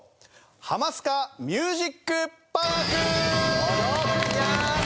ハマスカミュージックパーク！